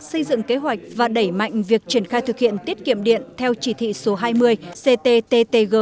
xây dựng kế hoạch và đẩy mạnh việc triển khai thực hiện tiết kiệm điện theo chỉ thị số hai mươi cttttg